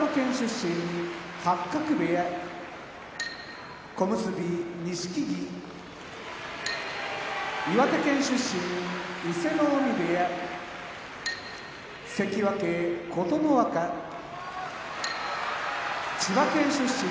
八角部屋小結・錦木岩手県出身伊勢ノ海部屋関脇・琴ノ若千葉県出身